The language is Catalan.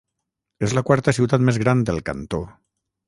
És la quarta ciutat més gran del cantó.